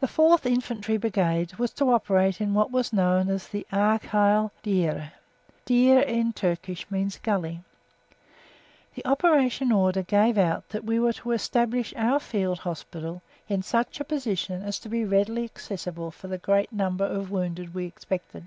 The 4th Infantry Brigade was to operate in what was known as the Aghyl Dere (Dere in Turkish means "gully"). The operation order gave out that we were to establish our Field Hospital in such a position as to be readily accessible for the great number of wounded we expected.